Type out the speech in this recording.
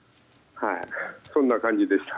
そんな感じでした。